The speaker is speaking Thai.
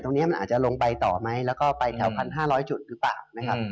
ตรงนี้มันอาจจะลงไปต่อไหมแล้วก็ไปแถว๑๕๐๐จุดหรือเปล่านะครับ